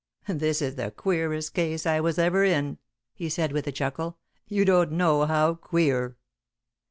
"This is the queerest case I was ever in," he said, with a chuckle; "you don't know how queer."